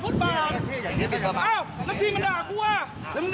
คุณเขียนใบมาดิ